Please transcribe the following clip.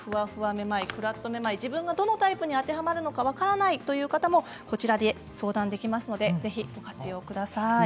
めまいクラッとめまい自分がどのタイプに当てはまるのか分からないという方もこちらで相談できますので是非ご活用ください。